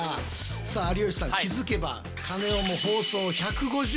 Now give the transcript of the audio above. さあ有吉さん気付けばえ！